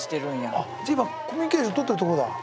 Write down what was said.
あっじゃあ今コミュニケーションとってるところだ。